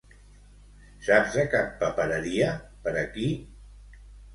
Saps de cap papereria per aquí?